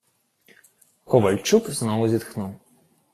Ковальчук знову зітхнув.